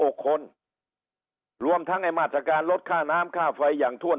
คนรวมทั้งไอ้มาตรการลดค่าน้ำค่าไฟอย่างถ้วน